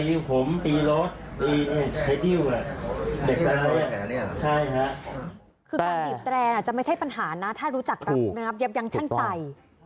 คือการบีบแตรนจะไม่ใช่ปัญหานะถ้ารู้จักรับนะครับเย็บยังช่างใจ